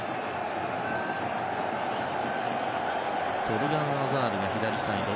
トルガン・アザールが左サイド。